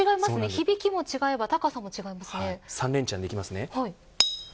響きも違えば高さも違うんですね。